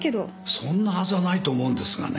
そんなはずはないと思うんですがね。